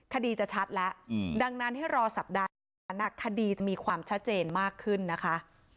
คดีจะชัดแล้วดังนั้นให้รอสัปดาห์หน้าคดีจะมีความชัดเจนมากขึ้นนะคะ